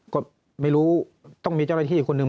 ก็ไม่รู้ต้องมีเจ้าหน้าที่คนหนึ่ง